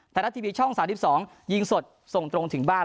ฐานะทีวีช่องสาวที่สองยิงสดส่งตรงถึงบ้าน